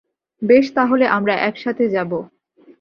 বেশ তাহলে আমরা একসাথে যাব।